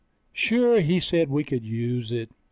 Sure he said we could use it.